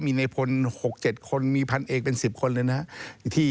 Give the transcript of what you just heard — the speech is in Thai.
มีในพนธุ์๖๗คนมีพันเอกเป็น๑๐คนเลยนะฮะ